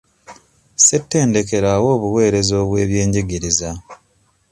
Ssetendekero awa obuweereza bw'ebyenjigiriza.